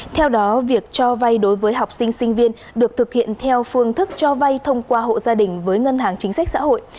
theo đó việc cho vay đối với học sinh sinh viên được thực hiện theo phương thức cho vay thông qua hộ gia đình với ngân hàng chính sách xã hội